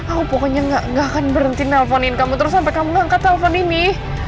aku pokoknya gak akan berhenti nelfonin kamu terus sampai kamu ngangkat telpon ini